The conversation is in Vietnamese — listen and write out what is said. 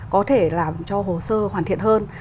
có thể làm cho hồ sơ hoàn thiện hơn